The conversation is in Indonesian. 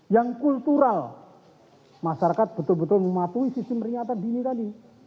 struktural masyarakat betul betul mematuhi sistem peringatan dini tadi